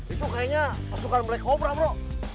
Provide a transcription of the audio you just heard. itu kayaknya pasukan black cobra bro